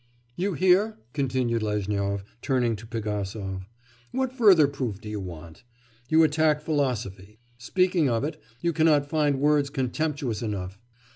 'You hear?' continued Lezhnyov, turning to Pigasov; 'what further proof do you want? You attack philosophy; speaking of it, you cannot find words contemptuous enough.